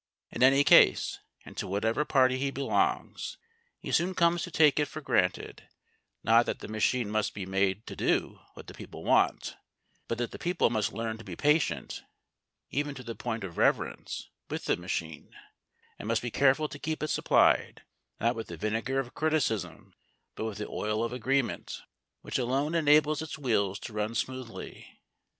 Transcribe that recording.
In any case, and to whatever party he belongs, he soon comes to take it for granted, not that the machine must be made to do what the people want, but that the people must learn to be patient, even to the point of reverence, with the machine, and must be careful to keep it supplied, not with the vinegar of criticism, but with the oil of agreement, which alone enables its wheels to run smoothly.